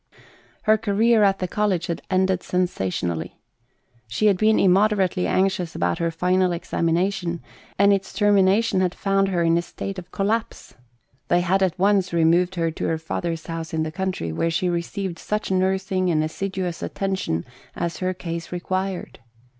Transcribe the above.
Her career at the college had ended sensa tionally. She had been immoderately anxious about her final examination, and its termin ation had found her in a state of collapse. They had at once removed her to her father's house in the country, where she received such nursing and assiduous attention as her case required.